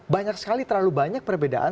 banyak sekali terlalu banyak perbedaan